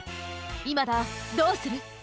イマダーどうする！？